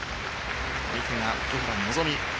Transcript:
相手が奥原希望。